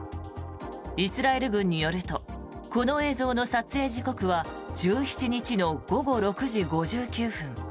イスラエル軍によるとこの映像の撮影時刻は１７日の午後６時５９分。